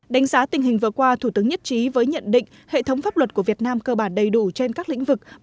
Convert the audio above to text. đánh giá tình hình vừa qua thủ tướng nhất trí với nhận định hệ thống pháp luật của việt nam cơ bản đầy đủ trên các lĩnh vực